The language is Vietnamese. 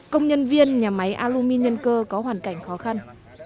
công nhân viên nhà máy aluminium cơ có hoàn cảnh khó khăn